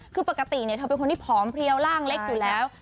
คือปกติเธอเป็นคนที่ผอมเพลียวร่างเล็กอยู่แล้ว